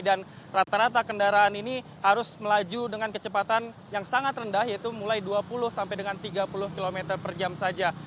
dan rata rata kendaraan ini harus melaju dengan kecepatan yang sangat rendah yaitu mulai dua puluh sampai dengan tiga puluh km per jam saja